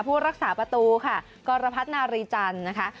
ผู้รักษาประตูค่ะกรพัฒนารีจันทร์นะคะ